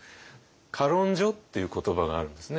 「歌論書」っていう言葉があるんですね。